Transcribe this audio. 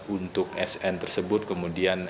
untuk sn tersebut kemudian